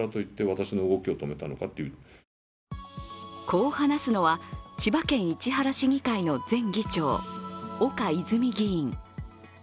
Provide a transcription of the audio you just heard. こう話すのは、千葉県市原市議会の前議長、岡泉議員。